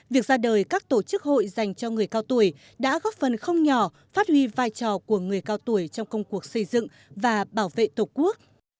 việc ra đời các tổ chức hội dành cho người cao tuổi đã góp phần không nhỏ phát huy vai trò của người cao tuổi trong công cuộc xây dựng và bảo vệ tổ quốc